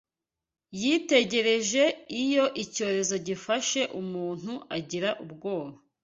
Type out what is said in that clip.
Yitegereje iyo icyorezo gifashe umuntu agira ubwoba